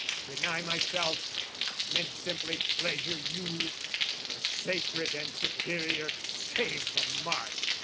"Deny myself" meant simply pleasure you, The sacred and superior, save the mark!